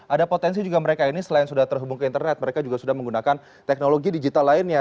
ada potensi juga mereka ini selain sudah terhubung ke internet mereka juga sudah menggunakan teknologi digital lainnya